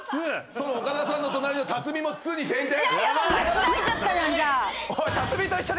その岡田さんの隣の辰巳も「つ」に点々。